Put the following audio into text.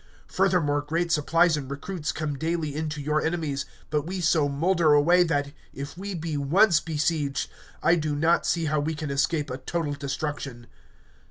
Furthermore, great supplies and recruits come daily in to your enemies; but we so moulder away that, if we be once besieged, I do not see how we can escape a total destruction.